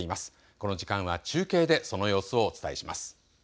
この時間は中継でその様子をお伝えします。